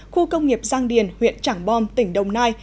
khu công nghiệp giang điền huyện trảng bom tỉnh đồng nai